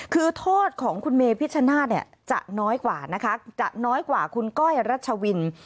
คือโทษของคุณเมพิชชนะจะน้อยกว่าคุณก้อยรัชวิน